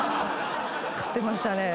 買ってましたね。